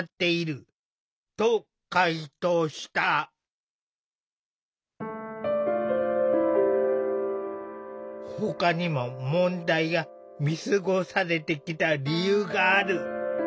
都は取材に対しほかにも問題が見過ごされてきた理由がある。